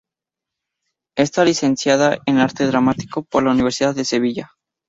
Está licenciada en Arte Dramático por la Universidad de Sevilla.